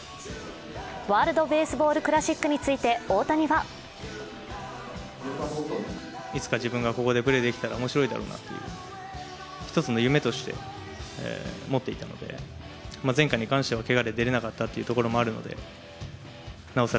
ワールドベースボールクラシックについて大谷はいつか自分がここでプレーできたら面白いだろうなという、１つの夢として持っていたので、前回に関してはけがで出れなかったということもあるのでなおさら